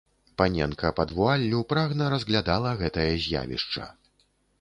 Паненка пад вуаллю прагна разглядала гэтае з'явішча.